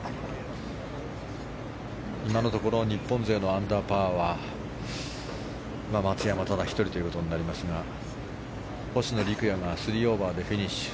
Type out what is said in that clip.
今のところ日本勢のアンダーパーは松山ただ１人ということになりますが星野陸也は３オーバーでフィニッシュ。